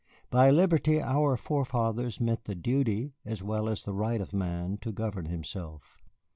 By Liberty, our forefathers meant the Duty as well as the Right of man to govern himself.